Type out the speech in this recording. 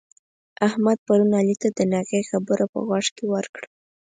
احمد پرون علي ته د ناغې خبره په غوږ کې ورکړه.